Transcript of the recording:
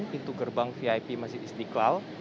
pintu gerbang vip masjid istiqlal